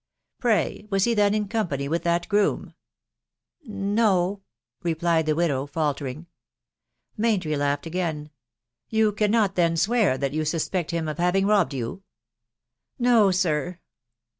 " Pray, was he then in company with that groom?" " No," .... replied the Widow faltering. Maintry laughed again. " You cannot then swear that you suspect him of having robbed your?" *" No, sir."